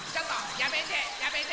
やめてやめて！